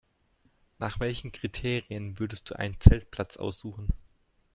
Nach welchen Kriterien würdest du einen Zeltplatz aussuchen?